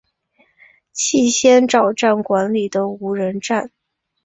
气仙沼站管理的无人站。